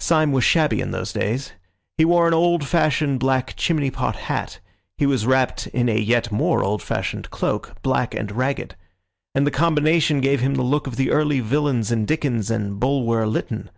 Syme was shabby in those days. He wore an old fashioned black chimney pot hat; he was wrapped in a yet more old fashioned cloak, black and ragged; and the combination gave him the look of the early villains in Dickens and Bulwer Lytton.